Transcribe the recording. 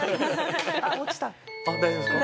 大丈夫ですか？